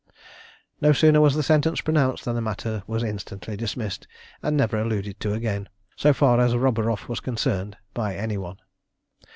No sooner was the sentence pronounced than the matter was instantly dismissed and never alluded to again, so far as Roburoff was concerned, by any one.